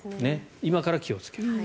今から気をつける。